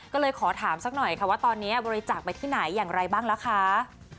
ก็เลยขอถามสักหน่อยค่ะว่าตอนนี้บริจาคไปที่ไหนอย่างไรบ้างล่ะคะ